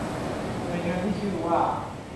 หน่วยงานที่ชื่อว่า